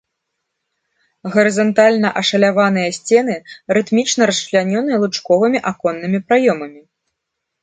Гарызантальна ашаляваныя сцены рытмічна расчлянёны лучковымі аконнымі праёмамі.